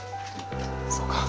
そうか。